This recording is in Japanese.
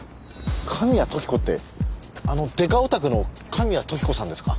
神谷時子ってあのデカオタクの神谷時子さんですか？